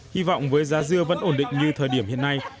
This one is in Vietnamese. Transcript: hy vọng với giá dưa vẫn ổn định như thời điểm hiện nay